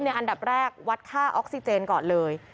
อันดับแรกวัดค่าออกซิเจนก่อนเลย